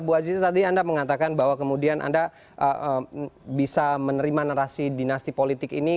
bu aziz tadi anda mengatakan bahwa kemudian anda bisa menerima narasi dinasti politik ini